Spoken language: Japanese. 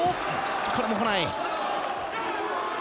これも来ない。